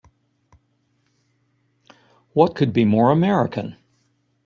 What could be more American!